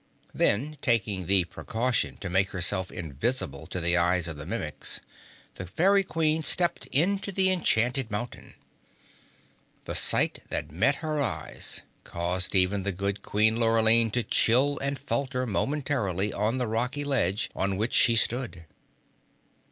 Then, taking the precaution to make herself invisible to the eyes of the Mimics, the Fairy Queen stepped into the enchanted Mountain. The sight that met her eyes caused even the good Queen Lurline to chill and falter momentarily on the rocky ledge on which she stood.